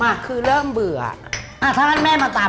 อ่ะคือเริ่มเบื่ออ่าถ้างั้นแม่มาตาม